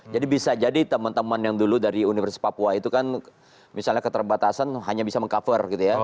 bisa jadi teman teman yang dulu dari universitas papua itu kan misalnya keterbatasan hanya bisa meng cover gitu ya